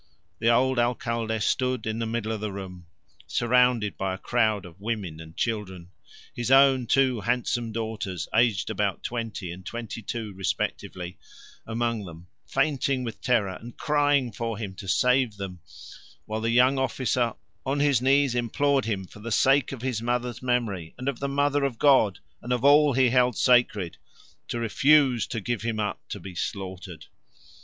The old Alcalde stood in the middle of the room, surrounded by a crowd of women and children, his own two handsome daughters, aged about twenty and twenty two respectively, among them, fainting with terror and crying for him to save them, while the young officer on his knees implored him for the sake of his mother's memory, and of the Mother of God and of all he held sacred, to refuse to give him up to be slaughtered.